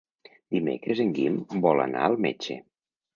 Dimecres en Guim vol anar al metge.